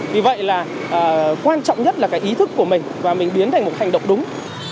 vì vậy là quan trọng nhất là cái ý thức của mình và mình biến thành một hành động đúng